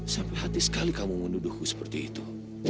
sampai hati sekali kamu menuduhku seperti itu